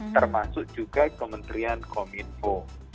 termasuk juga kementerian kominfo